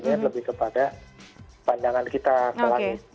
sekarang ini lebih kepada pandangan kita ke langit